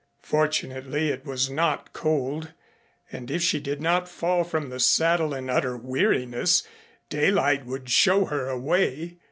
Fortunately, it was not cold, and if she did not fall from the saddle in utter weariness, daylight would show her a way.